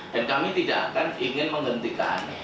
dan kami tidak akan ingin menghentikan